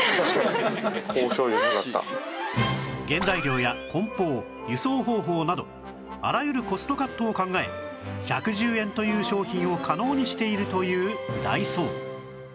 原材料や梱包輸送方法などあらゆるコストカットを考え１１０円という商品を可能にしているというダイソー